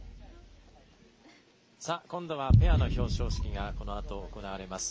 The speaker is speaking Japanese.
今度はペアの表彰式が行われます。